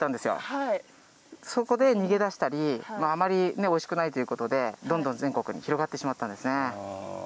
そこで逃げ出したりあまりおいしくないということでどんどん全国に広がってしまったんですね。